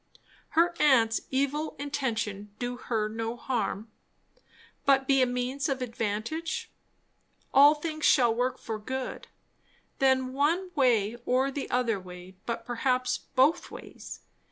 Her aunt's evil intention do her no harm, but be a means of advantage? "All things shall work for good" then, one way or the other way, but perhaps both ways.